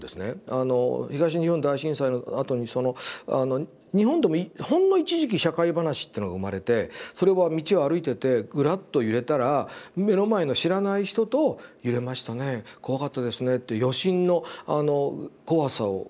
あの東日本大震災のあとにその日本でもほんの一時期「社会話」ってのが生まれてそれは道を歩いててグラッと揺れたら目の前の知らない人と「揺れましたね怖かったですね」って余震のあの怖さを語り合うっていうのが。